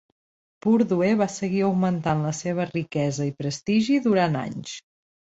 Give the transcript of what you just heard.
Purdue va seguir augmentant la seva riquesa i prestigi durant anys.